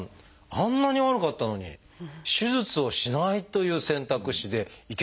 あんなに悪かったのに手術をしないという選択肢でいけたってことなんですか？